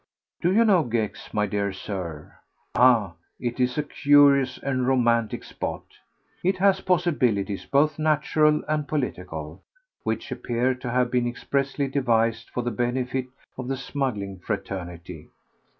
Do you know Gex, my dear Sir? Ah, it is a curious and romantic spot. It has possibilities, both natural and political, which appear to have been expressly devised for the benefit of the smuggling fraternity.